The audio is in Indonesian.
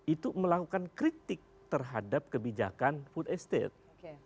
itu melakukan kritik terhadap kebijakan food estate